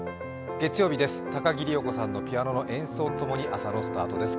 月曜日です、高木里代子さんのピアノの演奏とともに朝のスタートです。